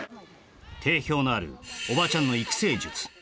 定評のあるおばちゃんの育成術